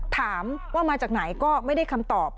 ถามว่ามาจากไหนก็ไม่ได้คำตอบ